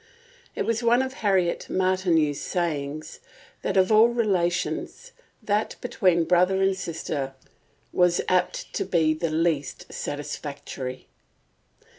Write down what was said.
It was one of Harriet Martineau's sayings, that of all relations that between brother and sister was apt to be the least satisfactory.